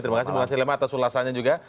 terima kasih bang asylima atas ulasannya juga